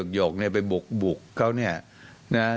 หยกไปบุกเขาเนี่ย